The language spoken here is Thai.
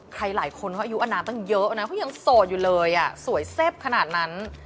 ใครหลายคนก็อายุอันนั้นตั้งเยอะนะเพราะยังโสดอยู่เลยสวยเสพขนาดนั้น